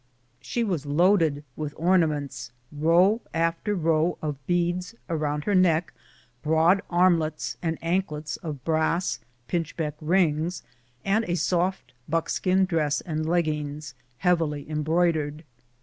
She was loaded with ornaments, row after row of beads about her neck, broad armlets and anklets of brass, pinchbeck rings, and a soft buckskin dress and leggings, heavily embroidered.